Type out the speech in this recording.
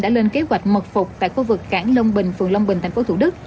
đã lên kế hoạch mật phục tại khu vực cảng long bình phường long bình thành phố thủ đức